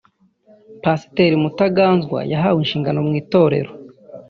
Pasiteri Mutaganzwa yahawe inshingano mu itorero